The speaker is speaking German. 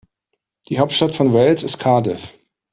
Die Hauptstadt von Wales ist Cardiff.